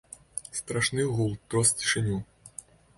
Страшны гул трос цішыню.